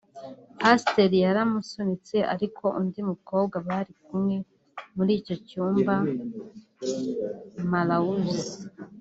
pasiteri yaramusunitse ariko undi mukobwa bari kumwe muri icyo cyumba [Mlauzi]